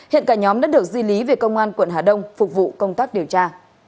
hiện cả nhóm đã được di lý về công an quận hà đông phục vụ công tác điều tra